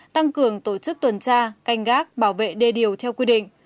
tăng cường tổ chức tuần tra canh gác bảo vệ đê điều theo quy định